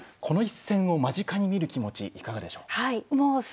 この一戦を間近に見る気持ちいかがでしょう。